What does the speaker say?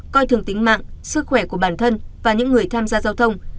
coi thường tính mạng sức khỏe của bản thân và những người tham gia giao thông